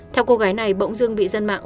theo cô gái này bỗng dưng bị dân mạng